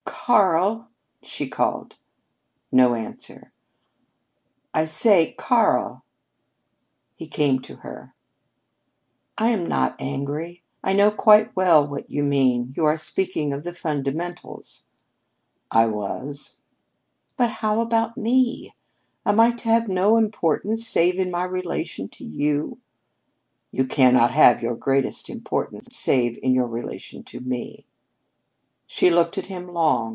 "Karl!" she called. No answer. "I say Karl!" He came to her. "I am not angry. I know quite well what you mean. You were speaking of the fundamentals." "I was." "But how about me? Am I to have no importance save in my relation to you?" "You cannot have your greatest importance save in your relation to me." She looked at him long.